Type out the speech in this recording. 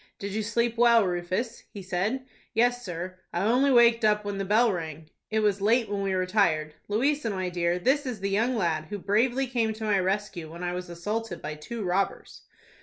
"Did you sleep well, Rufus?" he said. "Yes, sir. I only waked up when the bell rang." "It was late when we retired. Louisa, my dear, this is the young lad who bravely came to my rescue when I was assaulted by two robbers."